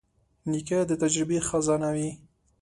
نیکه د تجربې خزانه وي.